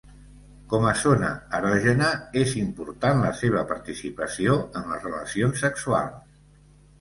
Com a zona erògena, és important la seva participació en les relacions sexuals.